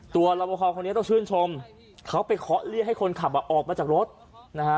รอบประคอคนนี้ต้องชื่นชมเขาไปเคาะเรียกให้คนขับอ่ะออกมาจากรถนะฮะ